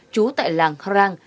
trú tại làng rang